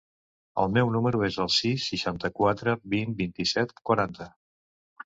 El meu número es el sis, seixanta-quatre, vint, vint-i-set, quaranta.